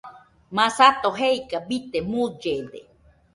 Masato jeika bite mullede.